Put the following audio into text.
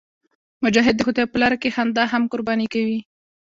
مجاهد د خدای په لاره کې خندا هم قرباني کوي.